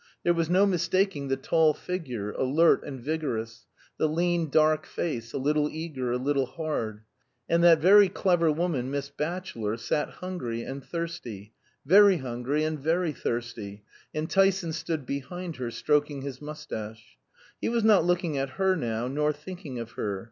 There was no mistaking the tall figure, alert and vigorous, the lean dark face, a little eager, a little hard. And that very clever woman Miss Batchelor sat hungry and thirsty very hungry and very thirsty and Tyson stood behind her stroking his mustache. He was not looking at her now, nor thinking of her.